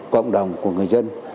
cộng đồng của người dân